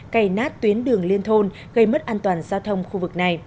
cày nát tuyến đường liên thôn gây mất an toàn giao thông khu vực này